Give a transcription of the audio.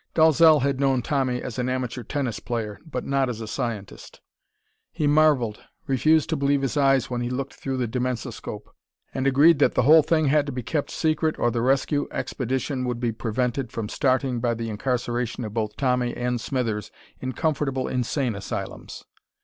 Dalzell had known Tommy as an amateur tennis player, but not as a scientist. He marveled, refused to believe his eyes when he looked through the dimensoscope, and agreed that the whole thing had to be kept secret or the rescue expedition would be prevented from starting by the incarceration of both Tommy and Smithers in comfortable insane asylums.